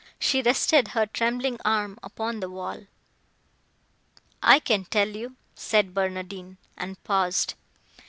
She rested her trembling arm upon the wall. "I can tell you," said Barnardine, and paused.